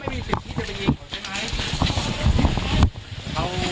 ไปทำแผนจุดเริ่มต้นที่เข้ามาที่บ่อนที่พระราม๓ซอย๖๖เลยนะครับทุกผู้ชมครับ